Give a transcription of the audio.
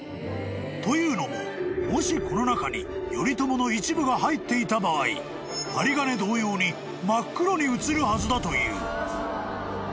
［というのももしこの中に頼朝の一部が入っていた場合針金同様に真っ黒に写るはずだという］